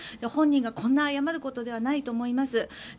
本人がこんな謝ることではないと思います。